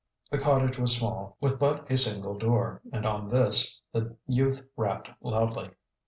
The cottage was small, with but a single doors and on this the youth rapped loudly.